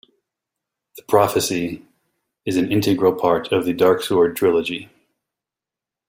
The Prophecy is an integral part of the Darksword trilogy.